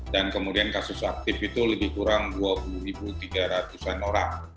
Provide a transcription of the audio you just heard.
dan kemudian kasus aktif itu lebih kurang dua puluh tiga ratus an orang